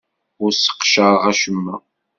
Ur sseqcareɣ acemma.